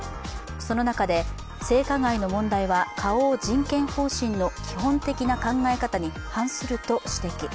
その中で、性加害の問題は花王人権方針の基本的な考え方に反すると指摘。